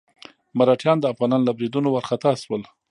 مرهټیان د افغانانو له بريدونو وارخطا شول.